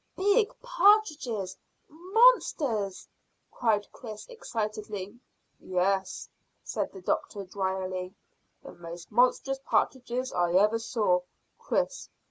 "Big partridges monsters!" cried Chris excitedly. "Yes," said the doctor dryly; "the most monstrous partridges I ever saw, Chris.